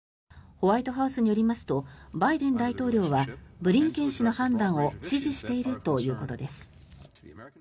ホワイトハウスによりますとバイデン大統領はブリンケン氏の判断を支持しているということです。